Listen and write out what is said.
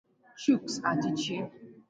Chuks Adichie